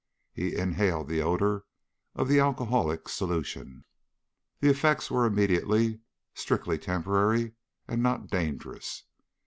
He inhaled the odor of the alcoholic solution. The effect was immediately, strictly temporary, and not dangerous.